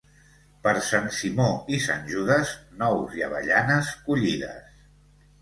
Per Sant Simó i Sant Judes, nous i avellanes collides.